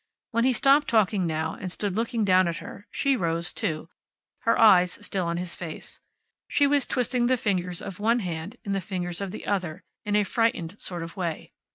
When he stopped talking now, and stood looking down at her, she rose, too, her eyes still on his face. She was twisting the fingers of one hand in the fingers of the other, in a frightened sort of way.